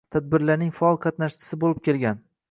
Tadbirlarning faol qatnashchisi bo‘lib kelgan.